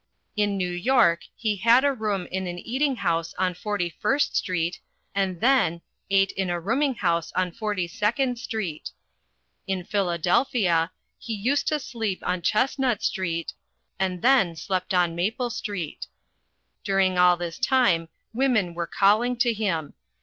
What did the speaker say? In New York he had a room in an eating house on Forty first Street, and then ate in a rooming house on Forty second Street. In Philadelphia he used to sleep on Chestnut Street, and then slept on Maple Street. During all this time women were calling to him.